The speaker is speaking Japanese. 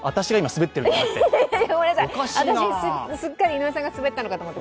ごめんなさい、すっかり井上さんがスベったのかと思って。